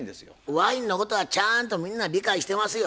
ワインのことはちゃんとみんな理解してますよ。